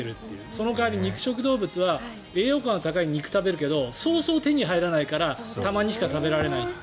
その代わり肉食動物は栄養価の高い肉を食べるけどそうそう手に入らないからたまにしか食べられない。